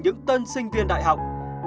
những tân sinh viên đại học